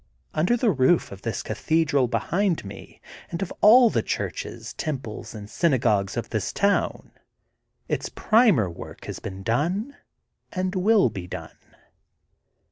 Under the roof of this Cathedral behind me and of all the churches, temples, and synagogues of this town, its primer work has been done and will be done.